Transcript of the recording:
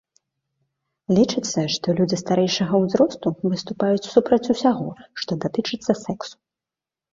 Лічыцца, што людзі старэйшага ўзросту выступаюць супраць усяго, што датычыцца сэксу.